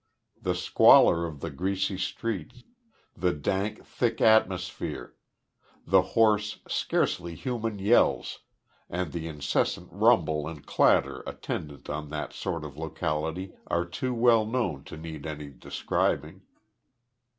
The squalor of the greasy streets; the dank, thick atmosphere; the hoarse, scarcely human yells and the incessant rumble and clatter attendant on that sort of locality are too well known to need any describing.